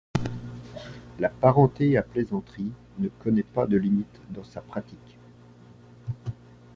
La parenté à plaisanterie ne connait pas de limite dans sa pratique.